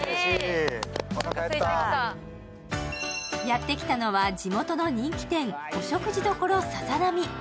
やって来たのは地元の人気店、お食事処さざなみ。